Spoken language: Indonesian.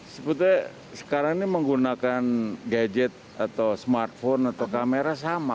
sebetulnya sekarang ini menggunakan gadget atau smartphone atau kamera sama